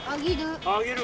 あげる？